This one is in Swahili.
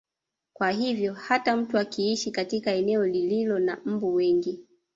Kwa hivyo hata mtu akiishi katika eneo lililo na mbu wengi